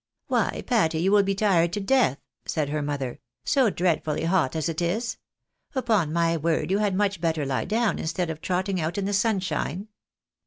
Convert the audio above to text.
" Why, Patty, you will be tired to death," said her mother, " so dreadfully hot as it is. Upon my word you had much better lie down instead of trotting out in the sunshine."